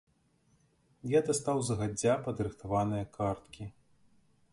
Я дастаў загадзя падрыхтаваныя карткі.